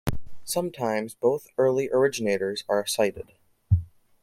Sometimes both early originators are cited.